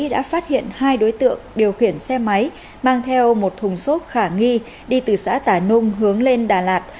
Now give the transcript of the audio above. đã phát hiện hai đối tượng điều khiển xe máy mang theo một thùng xốp khả nghi đi từ xã tà nung hướng lên đà lạt